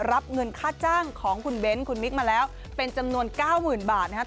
รับเงินค่าจ้างของคุณเบ้นคุณมิกมาแล้วเป็นจำนวน๙๐๐บาทนะครับ